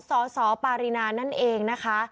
สสปารินานั่นเองนะคะ